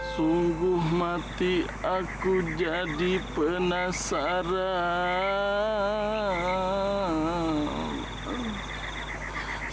sungguh mati aku jadi penasaran